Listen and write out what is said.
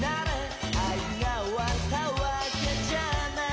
「愛が終わったわけじゃない」